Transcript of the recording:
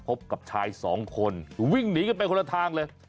พบกับชายสองคนวิ่งหนีกันไปคนละทางเลย